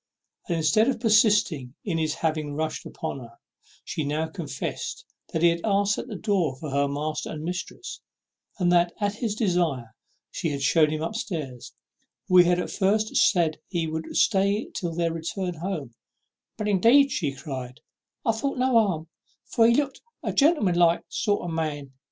And instead of persisting in his having rushed in upon her, she now confessed that he had asked at the door for her master and mistress; and that at his desire she had shewn him up stairs, where he at first said he would stay till their return home; "but, indeed," cried she, "I thought no harm, for he looked like a gentleman like sort of man.